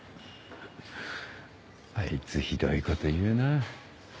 あいつひどいこと言うなぁ。